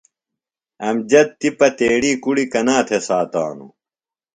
امجد تِپہ تیݨی کُڑی کنا تھےۡ ساتانوۡ؟